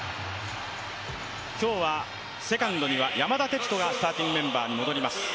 今日はセカンドには山田哲人がスターティングメンバーに戻ります。